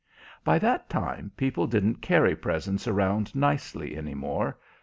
By that time people didn't carry presents around nicely any more.